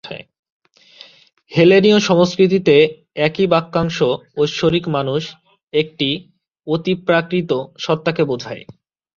হেলেনীয় সংস্কৃতিতে একই বাক্যাংশ "ঐশ্বরিক মানুষ", একটি অতিপ্রাকৃত সত্তাকে বোঝায়।